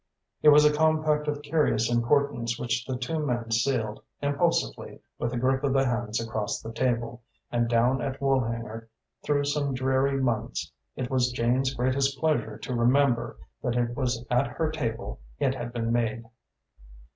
It was a compact of curious importance which the two men sealed impulsively with a grip of the hands across the table, and down at Woolhanger, through some dreary months, it was Jane's greatest pleasure to remember that it was at her table it had been made.